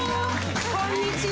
こんにちは。